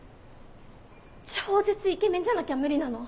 超絶イケメンじゃなきゃ無理なの。